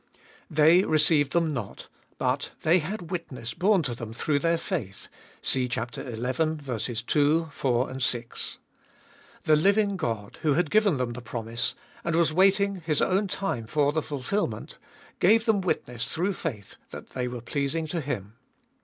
They received them not, but they had witness borne to them through their faith (see xi. 2, 4, 6). The living God, who had given them the promise, and was waiting His own time for the fulfilment, gave them witness through faith that they were pleas ing to Him.